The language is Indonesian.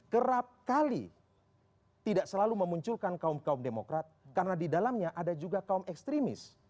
kerap kali tidak selalu memunculkan kaum kaum demokrat karena di dalamnya ada juga kaum ekstremis